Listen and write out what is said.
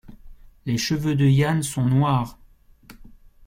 Les cheveux de Yann sont noirs.